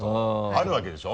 あるわけでしょ？